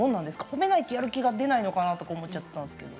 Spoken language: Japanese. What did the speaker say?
褒めないとやる気が出ないのかなと思っちゃったんですけど。